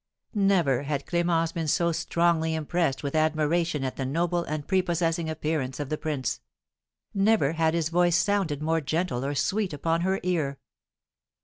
Never had Clémence been so strongly impressed with admiration at the noble and prepossessing appearance of the prince; never had his voice sounded more gentle or sweet upon her ear.